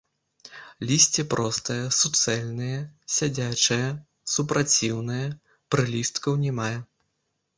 Лісце простае, суцэльнае, сядзячае, супраціўнае, прылісткаў не мае.